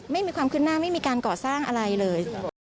ไม่มีความขึ้นหน้าไม่มีการก่อสร้างอะไรเลย